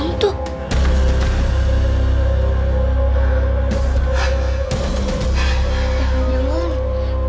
suara apaan tuh